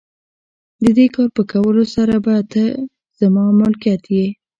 د دې کار په کولو سره به ته زما ملکیت یې.